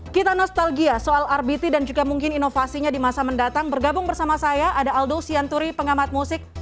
kita nostalgia soal rbt dan juga mungkin inovasinya di masa mendatang bergabung bersama saya ada aldo sianturi pengamat musik